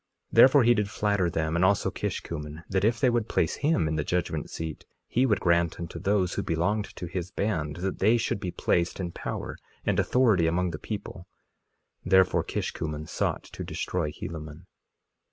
2:5 Therefore he did flatter them, and also Kishkumen, that if they would place him in the judgment seat he would grant unto those who belonged to his band that they should be placed in power and authority among the people; therefore Kishkumen sought to destroy Helaman.